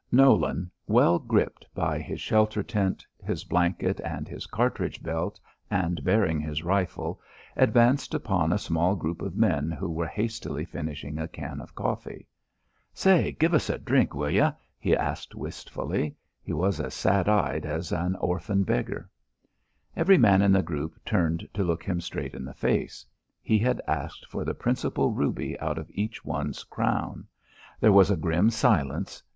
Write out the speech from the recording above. Nolan, well gripped by his shelter tent, his blanket, and his cartridge belt, and bearing his rifle, advanced upon a small group of men who were hastily finishing a can of coffee. "Say, give us a drink, will yeh?" he asked, wistfully. He was as sad eyed as an orphan beggar. Every man in the group turned to look him straight in the face. He had asked for the principal ruby out of each one's crown. There was a grim silence.